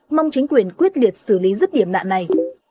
mong chính quyền quyết liệt xử lý rứt điểm nạn này